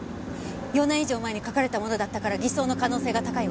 ４年以上前に書かれたものだったから偽装の可能性が高いわ。